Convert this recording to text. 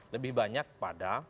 lebih banyak pada